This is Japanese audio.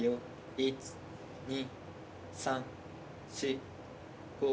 １２３４５。